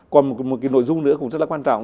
còn một cái nội dung nữa cũng rất là quan trọng